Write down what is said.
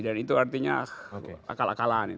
dan itu artinya akal akalan